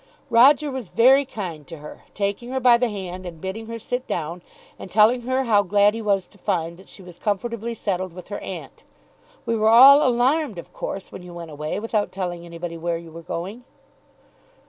Roger was very kind to her, taking her by the hand, and bidding her sit down, and telling her how glad he was to find that she was comfortably settled with her aunt. "We were all alarmed, of course, when you went away without telling anybody where you were going."